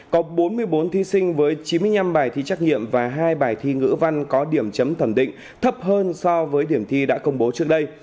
có bốn mươi bốn thí sinh với chín mươi năm bài thi trắc nghiệm và hai bài thi ngữ văn có điểm chấm thẩm định thấp hơn so với điểm thi đã công bố trước đây